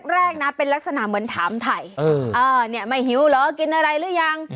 แรกนะเป็นลักษณะเหมือนถามถ่ายเนี่ยไม่หิวเหรอกินอะไรหรือยัง